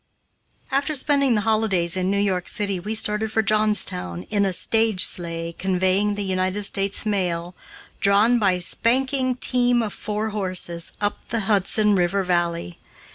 After spending the holidays in New York city, we started for Johnstown in a "stage sleigh, conveying the United States mail," drawn by spanking teams of four horses, up the Hudson River valley.